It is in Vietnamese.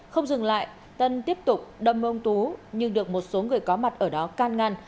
không dừng lại tân tiếp tục đâm ông tú nhưng được một số người có mặt ở đó can ngăn